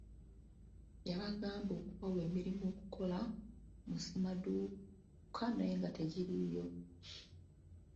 Yabagamba okubawa emirimu okukola mu ssemaduuka naye nga tegiriiyo.